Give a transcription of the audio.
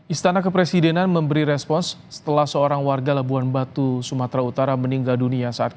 istana kepresidenan memberi respons setelah seorang warga labuan batu sumatera utara meninggal dunia saat